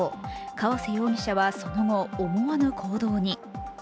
川瀬容疑者はその後、思わぬ行動に。